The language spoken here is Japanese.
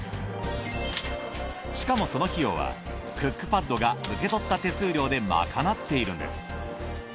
しかもその費用はクックパッドが受け取った手数料でまかなっているんです。